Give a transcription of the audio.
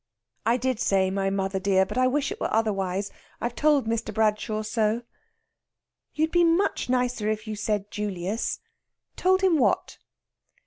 "I did say my mother, dear. But I wish it were otherwise. I've told Mr. Bradshaw so." "You'd be much nicer if you said Julius. Told him what?"